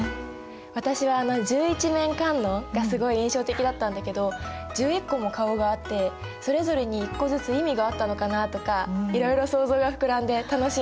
私はあの十一面観音がすごい印象的だったんだけど１１個も顔があってそれぞれに１個ずつ意味があったのかなとかいろいろ想像が膨らんで楽しいな。